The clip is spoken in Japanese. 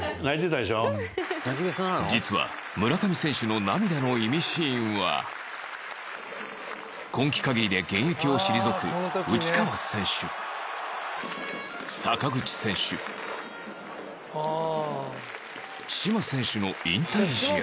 実は村上選手の涙のイミシーンは今季限りで現役を退く内川選手坂口選手嶋選手の引退試合